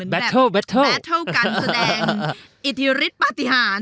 แบตเทิลกันแสดงอิทธิริตปฏิหาร